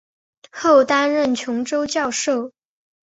后担任琼州教授。